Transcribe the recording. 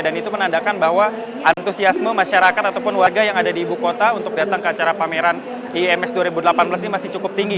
itu menandakan bahwa antusiasme masyarakat ataupun warga yang ada di ibu kota untuk datang ke acara pameran iims dua ribu delapan belas ini masih cukup tinggi